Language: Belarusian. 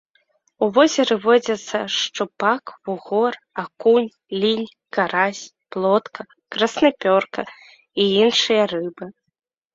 У возеры водзяцца шчупак, вугор, акунь, лінь, карась, плотка, краснапёрка і іншыя рыбы.